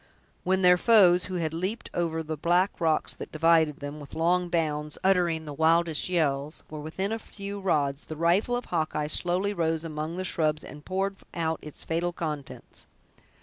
When their foes, who had leaped over the black rocks that divided them, with long bounds, uttering the wildest yells, were within a few rods, the rifle of Hawkeye slowly rose among the shrubs, and poured out its fatal contents.